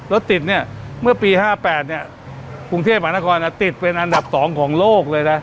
รถติดเนี่ยเมื่อปี๕๘เนี่ยกรุงเทพมหานครติดเป็นอันดับ๒ของโลกเลยนะ